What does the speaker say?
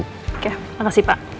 oke makasih pak